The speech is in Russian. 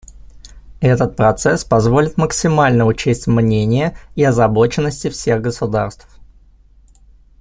Этот процесс позволит максимально учесть мнения и озабоченности всех государств.